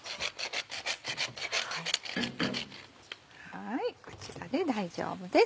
はいこちらで大丈夫です。